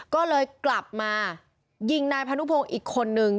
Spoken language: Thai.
ก็เลยกลับมายิงนายพานุพงศ์อีกคนนึง